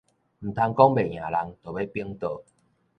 毋通講袂贏人就欲反桌